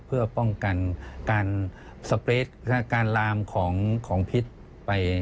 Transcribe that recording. เพื่อป้องกันการสเปรตการลามของพิษไป